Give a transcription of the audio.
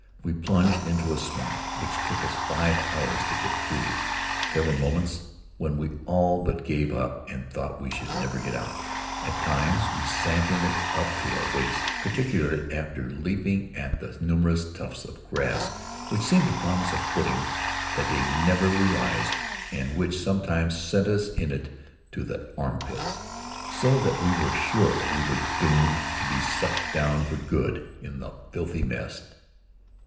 We plunged into a swamp which took us five hours to get through. There were moments when we all but gave up and thought we should never get out. At times we sank in it up to our waists, particularly after leaping at the numerous tufts of grass which seemed to promise a footing that they never realised and which sometimes sent us in it to the armpits, so that we were sure we were doomed to be sucked down for good in the filthy mess.